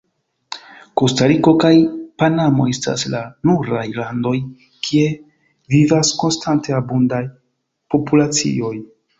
Kostariko kaj Panamo estas la nuraj landoj, kie vivas konstante abundaj populacioj.